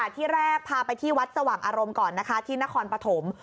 ที่แรกพาไปที่วัดสว่างอารมณ์ก่อนนะคะที่นครปฐม